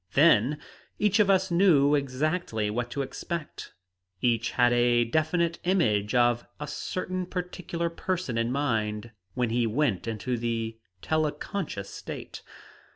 Then, each of us knew exactly what to expect. Each had a definite image of a certain particular person in mind when he went into the teleconscious state.